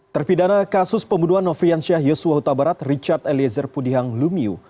terpidana kasus pembunuhan nofrian syah yosua huta barat richard eliezer pudihang lumiu